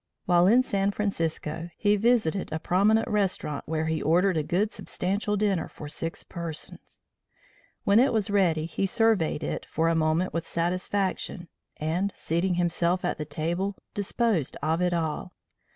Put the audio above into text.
While in San Francisco, he visited a prominent restaurant where he ordered a good substantial dinner for six persons. When it was ready he surveyed it for a moment with satisfaction, and, seating himself at the table, disposed of it all.